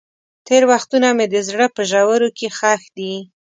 تېر وختونه مې د زړه په ژورو کې ښخ دي.